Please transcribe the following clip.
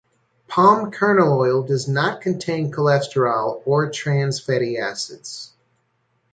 Palm kernel oil does not contain cholesterol or trans fatty acids.